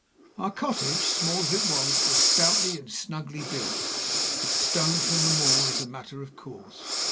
Our cottage, small as it was, was stoutly and snugly built, with stone from the moor as a matter of course.